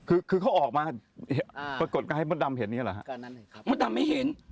คือเขาออกมาปรากฏกันให้มดำเห็นนี่หรอครับมดำไม่เห็น